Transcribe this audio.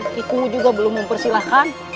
kikumu juga belum mempersilahkan